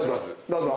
どうぞ。